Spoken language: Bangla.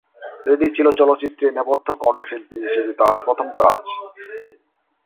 এটি ছিল চলচ্চিত্রে নেপথ্য কণ্ঠশিল্পী হিসেবে তার প্রথম কাজ।